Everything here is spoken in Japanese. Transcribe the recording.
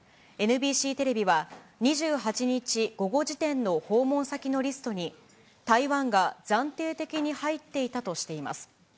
ＮＢＣテレビは、２８日午後時点の訪問先のリストに、台湾が暫定的に入っていたとしています。